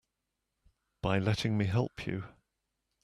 By letting me help you.